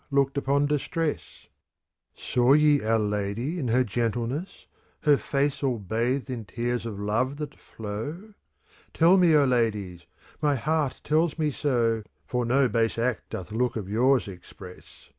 4S CANZONIERE Saw ye our Lady in her gentleness, ' Her face all bathed in tears of love that flow? Tell me, O ladies; — my heart tells me so — For no base act doth look of yours express.